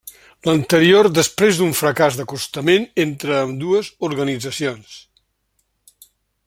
L'anterior després d'un fracàs d'acostament entre ambdues organitzacions.